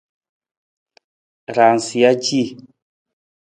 Raansija ci.